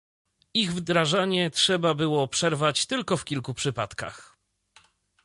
Ich wdrażanie trzeba było przerwać tylko w kilku przypadkach